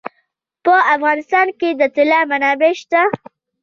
په افغانستان کې د طلا منابع شته.